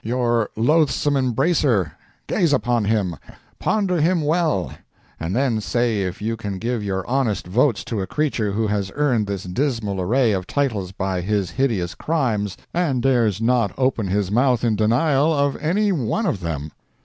your Loathsome Embracer! Gaze upon him—ponder him well—and then say if you can give your honest votes to a creature who has earned this dismal array of titles by his hideous crimes, and dares not open his mouth in denial of any one of them!